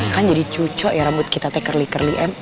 kan jadi cucok ya rambut kita tekerli kerli em